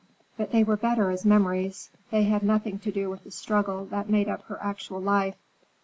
But they were better as memories. They had nothing to do with the struggle that made up her actual life.